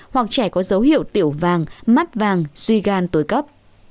hoặc trẻ có dấu hiệu tiểu vàng mắt vàng suy gan tối cấp